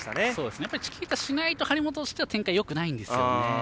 やっぱりチキータしないと張本としては展開、よくないんです。